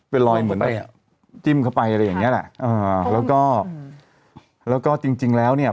เป็นรอยเหมือนอะไรอ่ะจิ้มเข้าไปอะไรอย่างเงี้แหละอ่าแล้วก็แล้วก็จริงจริงแล้วเนี่ย